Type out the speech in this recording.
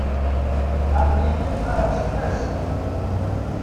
Aql-iyi qqareɣ s tfarsit.